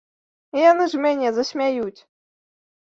Яны ж мяне засмяюць.